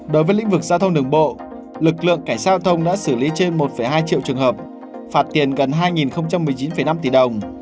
đối với lĩnh vực giao thông đường bộ lực lượng cảnh sát giao thông đã xử lý trên một hai triệu trường hợp phạt tiền gần hai một mươi chín năm tỷ đồng